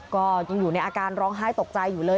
ก็ยังอยู่ในอาการร้องไห้ตกใจอยู่เลย